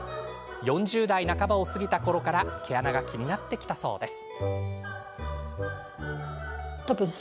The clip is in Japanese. ４０代半ばを過ぎたころから毛穴が気になってきたそうです。